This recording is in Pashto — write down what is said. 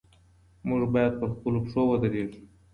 موږ بايد پر خپلو پښو ودرېږو.